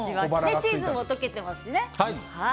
チーズも溶けていますね。